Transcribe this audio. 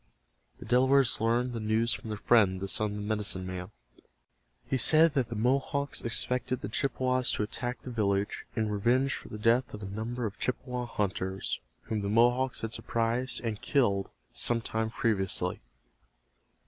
The Delawares learned the news from their friend, the son of the medicine man. He said that the Mohawks expected the Chippewas to attack the village in revenge for the death of a number of Chippewa hunters whom the Mohawks had surprised and killed some time previously.